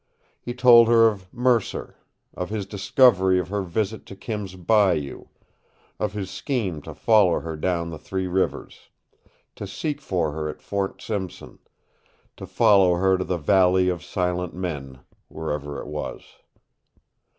He told her of Mercer, of his discovery of her visit to Kim's Bayou, of his scheme to follow her down the Three Rivers, to seek for her at Fort Simpson, to follow her to the Valley of Silent Men, wherever it was.